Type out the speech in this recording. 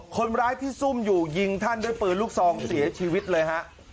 คนร้ายที่ซุ่มอยู่ยิงท่านด้วยปืนลูกซองเสียชีวิตเลยฮะ